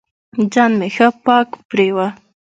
ځان مې ښه پاک پرېوه.